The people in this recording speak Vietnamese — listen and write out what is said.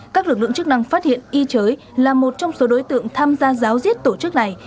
các lực lượng chức năng phát hiện y chới là một trong số đối tượng tham gia giáo diết tổ chức này